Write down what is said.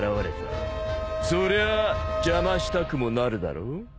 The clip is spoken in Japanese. そりゃあ邪魔したくもなるだろう？